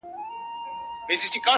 نه یې خدای او نه یې خلګو ته مخ تور سي-